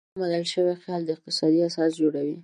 دا منل شوی خیال د اقتصاد اساس جوړوي.